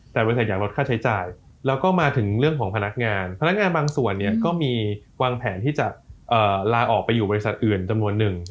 แต่บริษัทอยากลดค่าใช้จ่ายแล้วก็มาถึงเรื่องของพนักงานพนักงานบางส่วนก็มีวางแผนที่จะลาออกไปอยู่บริษัทอื่นจำนวนหนึ่ง